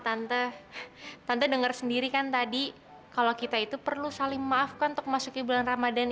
tante tante denger sendiri kan tadi kalau kita itu perlu saling maafkan untuk masuk ibulan ramadhan